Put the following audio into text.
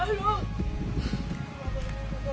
วันที่สุดท้ายเกิดขึ้นเกิดขึ้น